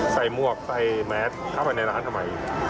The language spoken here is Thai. หมวกใส่แมสเข้าไปในร้านทำไม